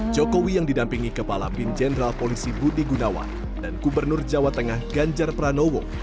jokowi yang didampingi kepala bin jenderal polisi budi gunawan dan gubernur jawa tengah ganjar pranowo